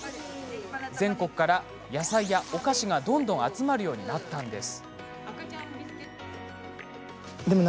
全国から野菜やお菓子がどんどん集まるようになったんです。